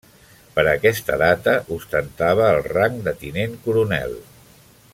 Per a aquesta data ostentava el rang de tinent coronel.